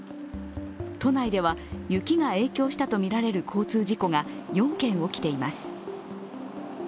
都内では雪が影響したとみられる交通事故が４件起きています。